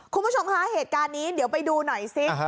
คุณผู้ชมคะเหตุการณ์นี้เดี๋ยวไปดูหน่อยซิ